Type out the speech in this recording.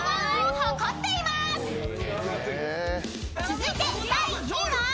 ［続いて第２位は？］